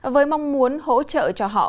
với mong muốn hỗ trợ cho họ